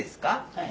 はい。